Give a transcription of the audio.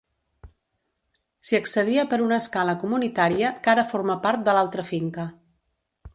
S'hi accedia per una escala comunitària, que ara forma part de l'altra finca.